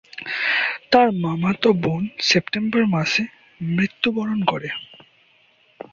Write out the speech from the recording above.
তার মামাতো বোন সেপ্টেম্বর মাসে মৃত্যুবরণ করে।